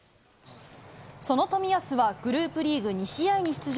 その冨安は、グループリーグ２試合に出場。